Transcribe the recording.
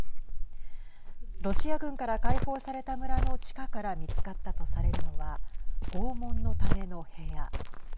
ロシア軍から解放された村の地下から見つかったとされるのは拷問のための部屋。